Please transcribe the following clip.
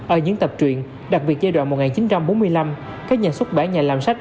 ở diễn tập truyện đặc biệt giai đoạn một nghìn chín trăm bốn mươi năm các nhà xuất bản nhà làm sách